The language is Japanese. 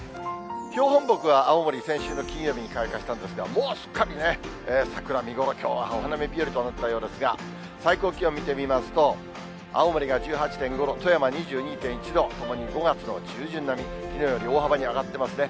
標本木は青森、先週の金曜日に開花したんですが、もうすっかりね、桜、見頃、きょうはお花見日和となったようですが、最高気温見てみますと、青森が１８．５度、富山２２．１度、ともに５月の中旬並み、きのうより大幅に上がってますね。